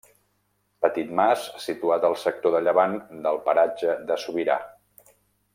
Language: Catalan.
Petit mas situat al sector de llevant del paratge de Sobirà.